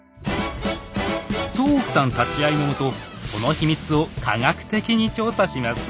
宗屋さん立ち会いのもとその秘密を科学的に調査します。